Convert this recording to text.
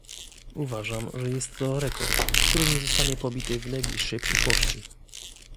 Uważam, że jest to rekord, który nie zostanie pobity w najbliższej przyszłości